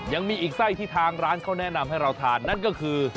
ยังมีอีกไส้ที่ทางร้านเขาแนะนำให้เราทานนั่นก็คือ